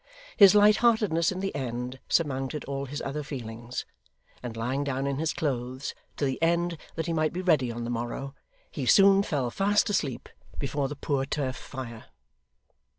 His light heartedness in the end surmounted all his other feelings, and lying down in his clothes to the end that he might be ready on the morrow, he soon fell fast asleep before the poor turf fire.